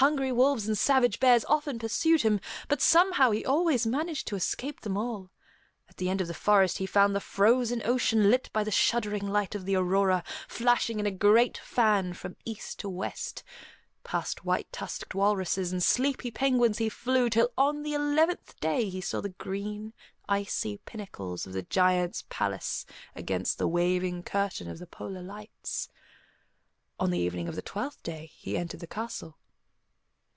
Hungry wolves and savage bears often pursued him, but somehow he always managed to escape them all. At the end of the forest he found the frozen ocean lit by the shuddering light of the aurora, flashing in a great fan from east to west. Past white tusked walruses and sleepy penguins he flew, till on the eleventh day he saw the green, icy pinnacles of the Giant's palace against the waving curtain of the Polar lights. On the evening of the twelfth day he entered the castle.